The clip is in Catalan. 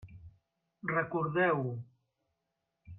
Recordeu-ho.